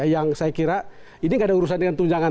yang saya kira ini gak ada urusan dengan tunjangan